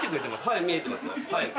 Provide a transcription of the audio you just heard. はい見えてますよ。